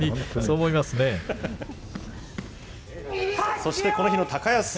そしてこの日の高安戦。